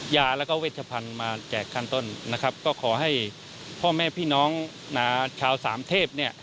ยาแล้วก็เวชพันธุ์มาแจกขั้นต้นนะครับก็ขอให้พ่อแม่พี่น้องชาวสามเทพเนี่ย